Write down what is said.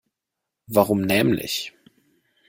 Warum nämlich?